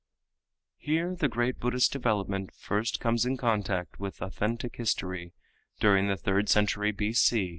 Here the great Buddhist development first comes in contact with authentic history during the third century B.C.